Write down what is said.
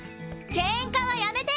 ケンカはやめて！